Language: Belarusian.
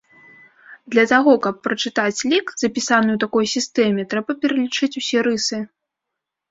Для таго, каб прачытаць лік, запісаны ў такой сістэме, трэба пералічыць усе рысы.